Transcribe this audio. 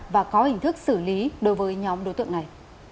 và có hình thức xử lý đối với nhóm đối tượng này